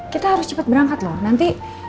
kita harus cepat berangkat loh nanti